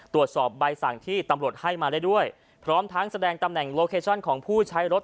ตรวจสอบใบสั่งที่ตำรวจให้มาได้ด้วยพร้อมทั้งแสดงตำแหน่งโลเคชั่นของผู้ใช้รถ